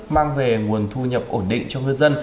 mang về nguồn thu nhập ổn định cho ngư dân